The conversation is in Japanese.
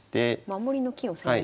守りの金を攻める。